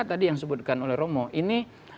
tadi yang disebutkan oleh romo ini